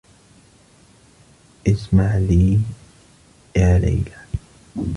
اسمعِ لي يا ليلى.